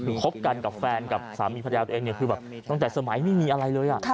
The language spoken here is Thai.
คือคบกันกับแฟนกับสามีพระเจ้าตัวเองตั้งแต่สมัยนี่มีอะไรเลย